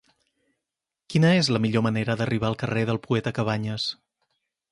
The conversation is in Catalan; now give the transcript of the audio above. Quina és la millor manera d'arribar al carrer del Poeta Cabanyes?